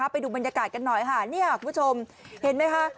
ไปดูบรรยากาศกันหน่อยค่ะนี่ค่ะคุณผู้ชมเห็นไหมคะ